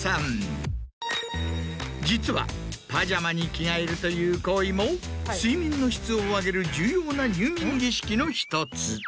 実はパジャマに着替えるという行為も睡眠の質を上げる重要な入眠儀式の１つ。